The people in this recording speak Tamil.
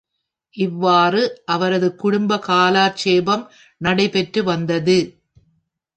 இவ்வாறு அவரது குடும்ப காலட்சேபம் நடைபெற்று வந்தது.